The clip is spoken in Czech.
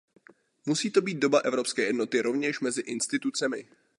Musí to být doba evropské jednoty rovněž mezi institucemi.